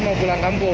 pokoknya nggak ada